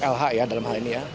lh ya dalam hal ini ya